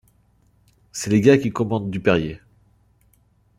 C’est les gars qui commandent du Perrier !